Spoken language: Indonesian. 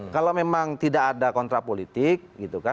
kalau memang tidak ada kontra politik gitu kan